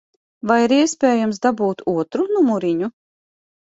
Vai ir iespējams dabūt otru numuriņu?